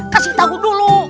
kasih tahu dulu